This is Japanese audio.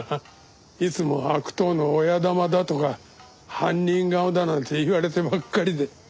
いつも悪党の親玉だとか犯人顔だなんて言われてばっかりで。